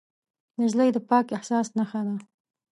نجلۍ د پاک احساس نښه ده.